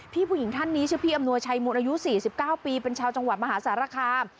ผู้หญิงท่านนี้ชื่อพี่อำนวยชัยมูลอายุ๔๙ปีเป็นชาวจังหวัดมหาสารคาม